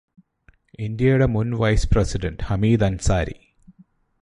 ഇന്ത്യയുടെ മുൻ vice president Hamid Ansari